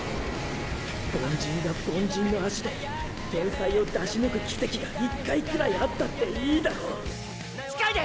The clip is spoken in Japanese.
凡人が凡人の脚で天才を出し抜く奇跡が１回くらいあったっていいだろう近いで！